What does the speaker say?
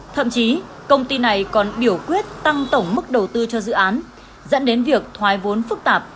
thậm chí công ty này còn biểu quyết tăng tổng mức đầu tư cho dự án dẫn đến việc thoái vốn phức tạp